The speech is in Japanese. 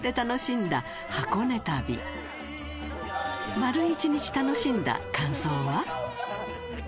丸一日楽しんだ感想は？